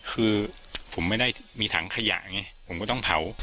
คือผมไม่ได้มีถังขยะไงผมก็ต้องเผา